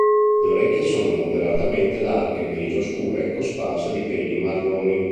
Le orecchie sono moderatamente larghe, grigio scure e cosparse di peli marroni.